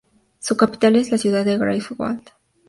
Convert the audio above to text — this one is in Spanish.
Su capital es la ciudad de Greifswald.